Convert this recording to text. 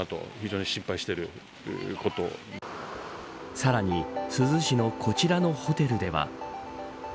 さらに珠洲市のこちらのホテルでは。